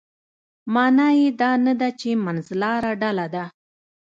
معنا یې دا نه ده چې منځلاره ډله ده.